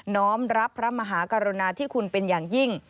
้อมรับพระมหากรุณาที่คุณเป็นอย่างยิ่ง